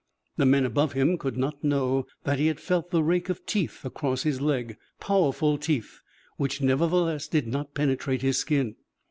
The men above him could not know that he had felt the rake of teeth across his leg powerful teeth, which nevertheless did not penetrate his skin.